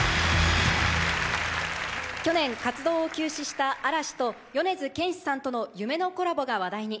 去年活動を休止した嵐と米津玄師さんとの夢のコラボが話題に。